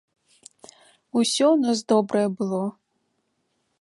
Усё ў нас добрае было.